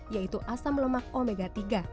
yaitu asam lemak omega tiga